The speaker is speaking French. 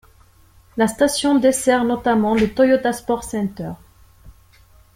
La station dessert notamment le Toyota Sports Center.